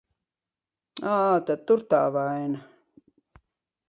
Ā, tad tur tā vaina.